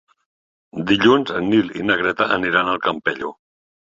Dilluns en Nil i na Greta aniran al Campello.